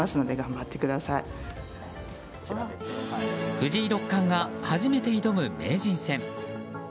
藤井六冠が初めて挑む名人戦。